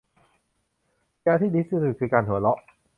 ยาที่ดีที่สุดคือการหัวเราะ